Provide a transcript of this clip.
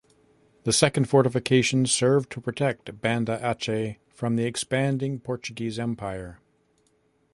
The second fortification served to protect Banda Aceh from the expanding Portuguese Empire.